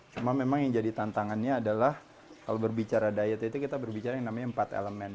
cuma memang yang jadi tantangannya adalah kalau berbicara diet itu kita berbicara yang namanya empat elemen